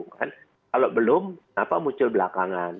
kalau belum kenapa muncul belakangan